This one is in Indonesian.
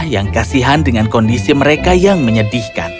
dan dia yang kasihan dengan kondisi mereka yang menyedihkan